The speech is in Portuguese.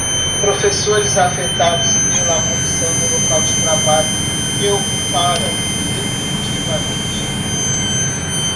Professores afetados pela abolição do local de trabalho que ocuparam definitivamente.